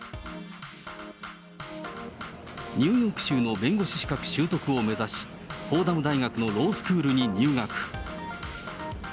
ニューヨーク州の弁護士資格取得を目指し、フォーダム大学のロースクールに入学。